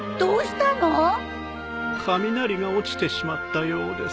雷が落ちてしまったようです。